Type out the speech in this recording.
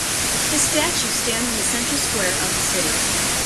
His statue stands in the central square of the city.